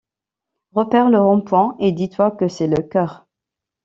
Repère le rond-point, et dis toi que c'est le chœur.